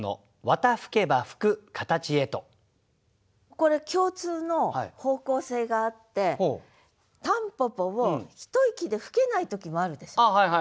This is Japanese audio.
これ共通の方向性があって蒲公英をひと息で吹けない時もあるでしょ。